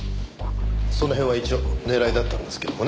その辺は一応狙いだったんですけどもね。